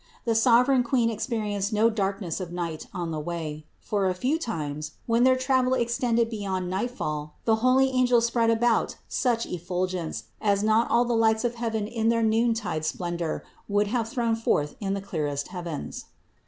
The sovereign Queen experienced no darkness of night on the way ; for a few times, when their travel extended beyond nightfall the holy angels spread about such effulgence as not all the lights of heaven in their noontide splendor would have thrown forth in the clearest heavens.